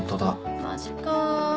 マジか。